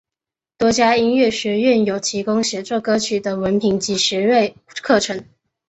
多家音乐学院有提供写作歌曲的文凭及学位课程。